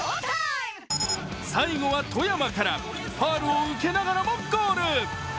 最後は富山からファウルを受けながらもゴール。